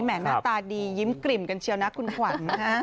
หน้าตาดียิ้มกลิ่มกันเชียวนะคุณขวัญ